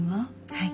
はい。